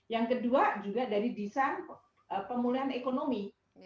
yang kedua juga dari desain pemulihan ekonomi